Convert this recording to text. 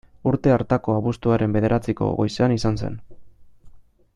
Urte hartako abuztuaren bederatziko goizean izan zen.